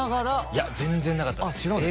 いや全然なかったですあっ